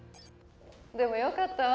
でもよかったわ。